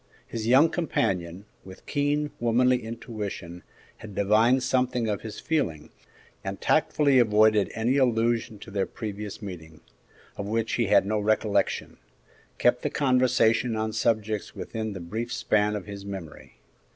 His young companion, with keen, womanly intuition, had divined something of his feeling, and tactfully avoiding any allusion to their previous meeting, of which he had no recollection, kept the conversation on subjects within the brief span of his memory.